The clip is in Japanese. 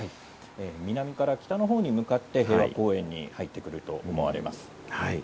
南から北の方に向かって平和公園に入ってくると思われます。